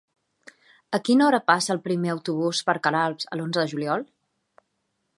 A quina hora passa el primer autobús per Queralbs l'onze de juliol?